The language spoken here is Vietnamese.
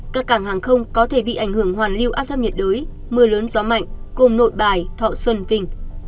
các cảng hàng không có thể bị ảnh hưởng hoàn lưu áp thấp nhiệt đới mưa lớn gió mạnh gồm nội bài thọ xuân vinh